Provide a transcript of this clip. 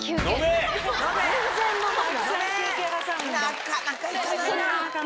なかなかいかないな。あんた。